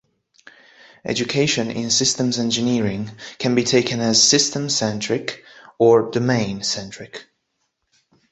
Education in systems engineering can be taken as "Systems-centric" or "Domain-centric".